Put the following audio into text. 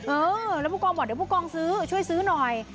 เออแล้วผู้กองบอกเดี๋ยวผู้กองซื้อช่วยซื้อหน่อย